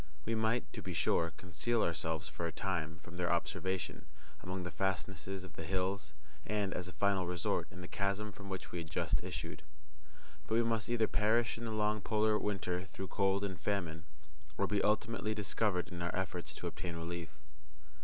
We might, to be sure, conceal ourselves for a time from their observation among the fastnesses of the hills, and, as a final resort, in the chasm from which we had just issued; but we must either perish in the long polar winter through cold and famine, or be ultimately discovered in our efforts to obtain relief.